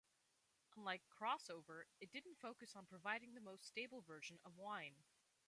Unlike CrossOver, it didn't focus on providing the most stable version of Wine.